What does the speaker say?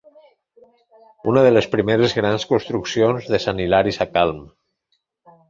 Una de les primeres grans construccions de Sant Hilari Sacalm.